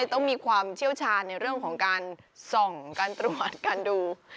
ต้องมีความเชี่ยวชาญในเรื่องของการส่องการตรวจการดู